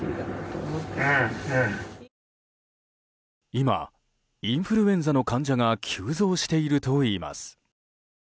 今、インフルエンザの患者が急増しているといいます。